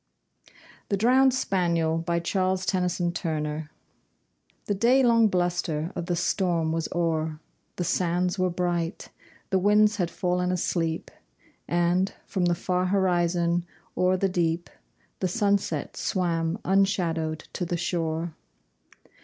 THE DROWNED SPANIEL The day long bluster of the storm was o'er, The sands were bright; the winds had fallen asleep, And, from the far horizon, o'er the deep The sunset swam unshadowed to the shore.